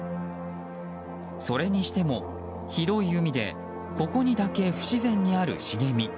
それにしても、広い海でここにだけ不自然にある茂み。